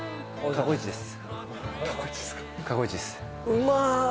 過去イチです